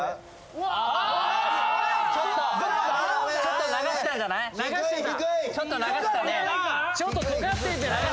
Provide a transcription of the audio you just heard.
ちょっととがってんじゃない？